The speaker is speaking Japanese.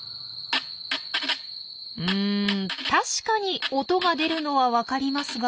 うん確かに音が出るのはわかりますが。